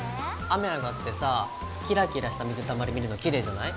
雨上がってさキラキラした水たまり見るのきれいじゃない？